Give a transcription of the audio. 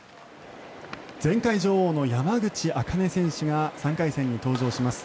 前回女王の山口茜選手が３回戦に登場します。